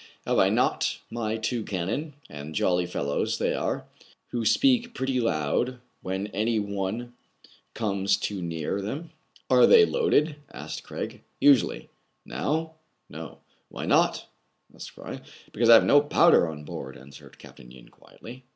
" Have I not my two cannon, — and jolly fellows they are !— who speak pretty loud when any one comes too near them ?"*' Are they loaded ?" asked Craig. "Usually.*' " Now }"" No." '* Why not }asked Fry. "Because I have no powder on board, answered Capt. Yin quietly.